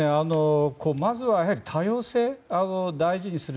まずは多様性を大事にする。